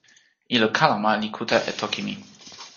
ilo kalama li kute e toki mi.